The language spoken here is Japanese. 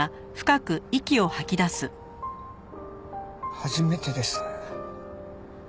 初めてです。